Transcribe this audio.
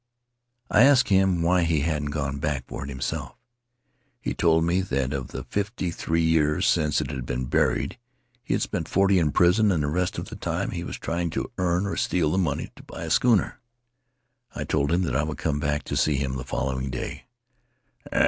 I asked him why he hadn't gone back for it himself. He told me that of the fifty three years since it had been buried he had spent forty in prison and the rest of the time he was trying to earn or steal the money to buy a schooner. I told him that I would come back to see him the following day.